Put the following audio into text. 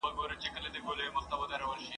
چي مي خولې ته د قاتل وم رسېدلی ..